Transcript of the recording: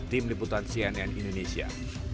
tim liputan cnn indonesia